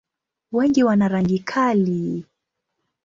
Wengi wana rangi kali.